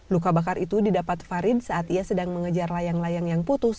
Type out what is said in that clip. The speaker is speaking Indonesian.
luka bakar itu didapat farid saat ia sedang mengejar layang layang yang putus